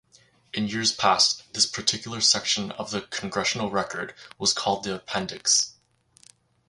In years past, this particular section of the "Congressional Record" was called the "Appendix".